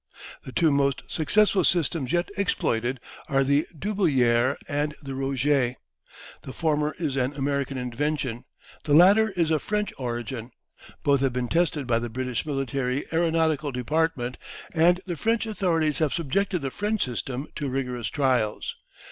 The two most successful systems yet exploited are the Dubilier and the Rouget. The former is an American invention, the latter is of French origin. Both have been tested by the British Military Aeronautical Department, and the French authorities have subjected the French system to rigorous trials.